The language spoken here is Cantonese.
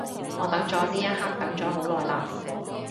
我等咗呢一刻等咗好耐嘞